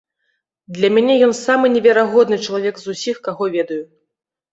Для мяне ён самы неверагодны чалавек з усіх, каго ведаю.